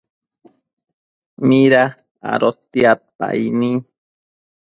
mida adotiadpaini